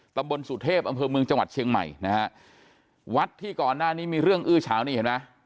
ตำบลสุเทพอำเภอเมืองจังหวัดเชียงใหม่นะฮะวัดที่ก่อนหน้านี้มีเรื่องอื้อเฉานี่เห็นไหม